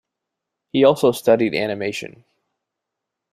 He also studied animation.